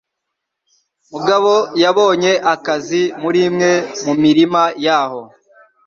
Mugabo yabonye akazi muri imwe mu mirima yaho.